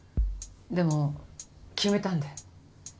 でも決めたんで。